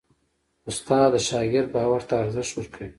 استاد د شاګرد باور ته ارزښت ورکوي.